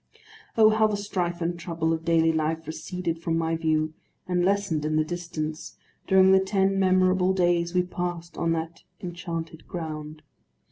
Oh, how the strife and trouble of daily life receded from my view, and lessened in the distance, during the ten memorable days we passed on that Enchanted Ground!